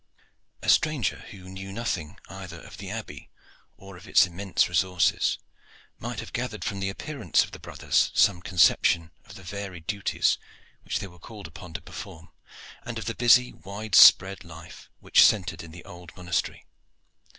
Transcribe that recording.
A stranger who knew nothing either of the Abbey or of its immense resources might have gathered from the appearance of the brothers some conception of the varied duties which they were called upon to perform, and of the busy, wide spread life which centred in the old monastery.